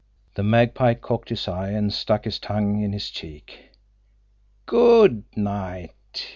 The Magpie cocked his eye, and stuck his tongue in his cheek. "GOOD night!"